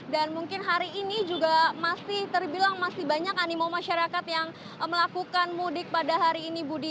dan mungkin hari ini juga masih terbilang masih banyak animo masyarakat yang melakukan mudik pada hari ini budi